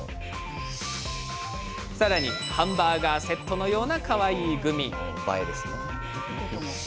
さらにハンバーガーセットのようなかわいいグミもあります。